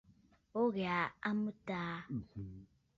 Bo ghɛɛ a mɨtaa.